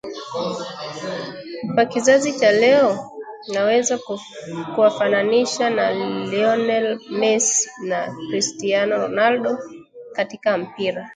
Kwa kizazi cha leo naweza kuwafananisha na Lionel Messi na Cristiano Ronaldo katika mpira